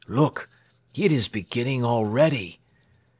Look! It is beginning already.